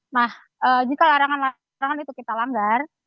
nah jika larangan larangan itu kita langgar